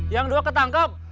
yang dua ketangkep